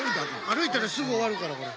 歩いたらすぐ終わるからこれ。